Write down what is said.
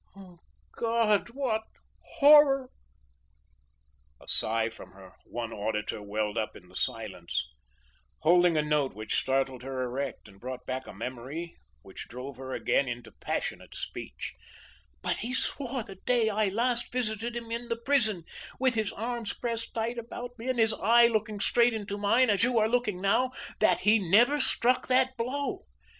O God! what horror!" A sigh from her one auditor welled up in the silence, holding a note which startled her erect and brought back a memory which drove her again into passionate speech: "But he swore the day I last visited him in the prison, with his arms pressed tight about me and his eye looking straight into mine as you are looking now, that he never struck that blow.